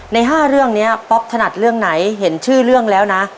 ใน๕เรื่องนี้ป๊อปถนัดเรื่องไหนเห็นชื่อเรื่องแล้วนะ